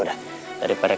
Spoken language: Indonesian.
aku mau pergi ke rumah